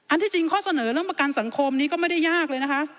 ที่จริงข้อเสนอเรื่องประกันสังคมนี้ก็ไม่ได้ยากเลยนะคะ